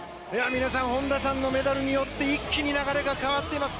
皆さん本多さんのメダルによって一気に流れが変わっています。